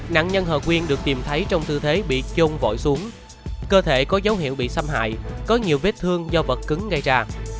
nạn nhân hờ quyên được tìm thấy trong tư thế bị chôn vội xuống cơ thể có dấu hiệu bị xâm hại có nhiều vết thương do vật cứng gây ra